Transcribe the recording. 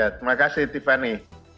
terima kasih tiffany